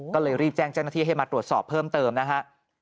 ก็เลยรีบแจ้งเจ้าหน้าที่ให้มาตรวจสอบเพิ่มเติมนะฮะ